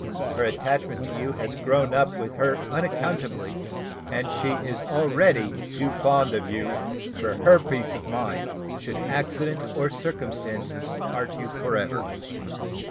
Her attachment to you has grown up with her unaccountably, and she is already too fond of you for her peace of mind, should accident or circumstances part you for ever.